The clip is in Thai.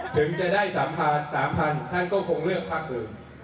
ถึงจะได้๓๐๐๐บาทท่านก็คงเลือกพักหนึ่ง